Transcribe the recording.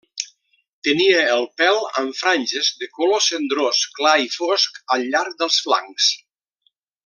Tenia el pèl amb franges de color cendrós clar i fosc al llarg dels flancs.